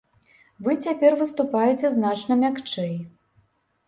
Вы цяпер выступаеце значна мякчэй.